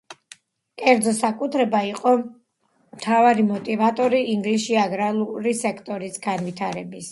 კერძო საკუთრება იყო მთავარი მოტივატორი ინგლისში აგრარული სექტორის განვითარების.